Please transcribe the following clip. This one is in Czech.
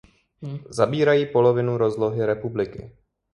Zabírají polovinu rozlohy republiky.